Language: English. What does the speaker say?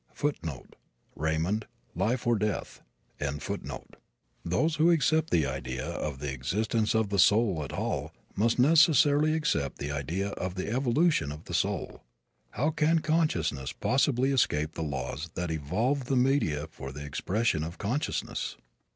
[B] Those who accept the idea of the existence of the soul at all must necessarily accept the idea of the evolution of the soul. How can consciousness possibly escape the laws that evolve the media for the expression of consciousness?